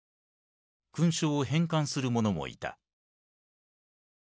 勲章を返還する者もいた。